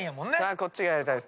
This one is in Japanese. こっちがやりたいです。